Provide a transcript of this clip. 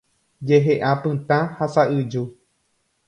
Jehe'a pytã ha sa'yju.